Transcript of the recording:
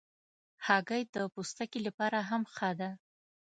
هګۍ د پوستکي لپاره هم ښه ده.